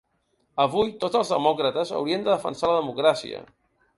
Avui tots els demòcrates haurien de defensar la democràcia.